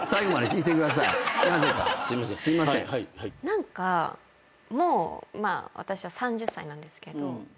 何かもう私は３０歳なんですけど。